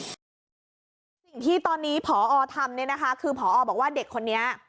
สิ่งที่ตอนนี้พอทำเนี่ยนะคะคือพอบอกว่าเด็กคนนี้